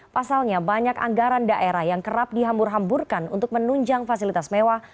pasalnya banyak anggaran daerah yang kerap dihambur hamburkan untuk menunjang fasilitas mewah